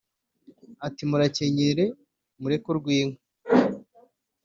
iti : murakenyere mureke urw'inka